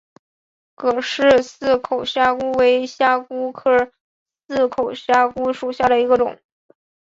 葛氏似口虾蛄为虾蛄科似口虾蛄属下的一个种。